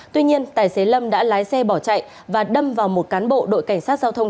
tuy nhiên tài xế lâm đã lái xe bỏ chạy và đâm vào một cán bộ đội cảnh sát giao thông